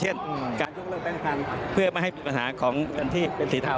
เช่นการยกเลิกราชการเพื่อไม่ให้มีปัญหาของเงินที่เป็นสีเทา